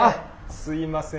すいません